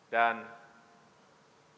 dan terima kasih kepada saya